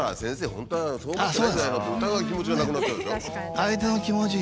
本当はそう思ってないんじゃないの？って疑う気持ちがなくなっちゃうでしょ。